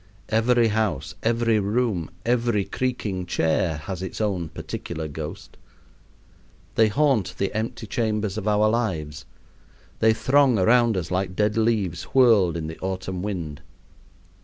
Every house, every room, every creaking chair has its own particular ghost. They haunt the empty chambers of our lives, they throng around us like dead leaves whirled in the autumn wind.